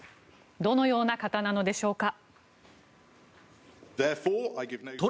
どのような方なのでしょうか。